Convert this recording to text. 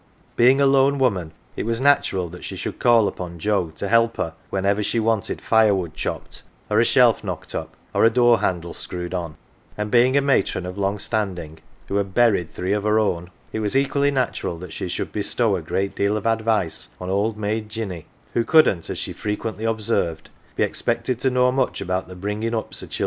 Being a lone woman, it was natural that she should call upon Joe to help her whenever she wanted fi re wood chopped, or a shelf knocked up, or a door handle screwed on ; and Ixnng a matron of long standing who had " buried three of her own, 11 it was equally natural that she should bestow a great deal of advice on old maid Jinny, who couldn't, as she frequently observed, "be expected to know much about the bringin 1 ups o" childer.